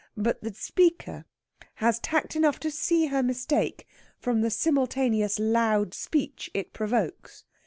But the speaker has tact enough to see her mistake from the simultaneous loud speech it provokes.